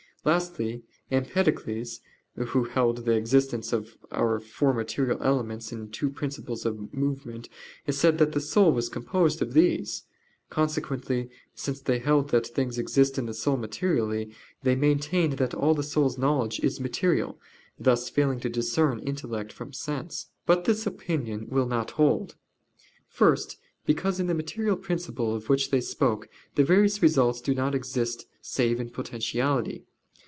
Lastly, Empedocles, who held the existence of our four material elements and two principles of movement, said that the soul was composed of these. Consequently, since they held that things exist in the soul materially, they maintained that all the soul's knowledge is material, thus failing to discern intellect from sense. But this opinion will not hold. First, because in the material principle of which they spoke, the various results do not exist save in potentiality.